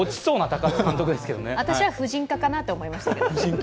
私は婦人科かなと思いましたけど。